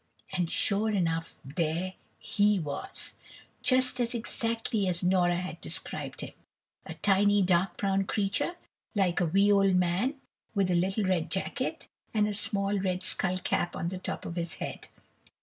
And sure enough there "he" was, and just exactly as Nora had described him. A tiny dark brown creature, like a wee old man, with a little red jacket, and a small red skull cap on the top of his head.